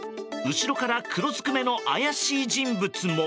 後ろから黒ずくめの怪しい人物も。